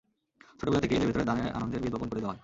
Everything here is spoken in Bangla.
ছোটবেলা থেকেই এদের ভেতরে দানের আনন্দের বীজ বপন করে দেওয়া হয়।